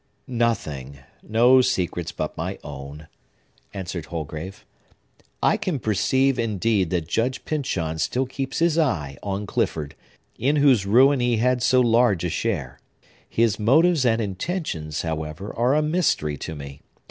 "Nothing,—no secrets but my own," answered Holgrave. "I can perceive, indeed, that Judge Pyncheon still keeps his eye on Clifford, in whose ruin he had so large a share. His motives and intentions, however are a mystery to me.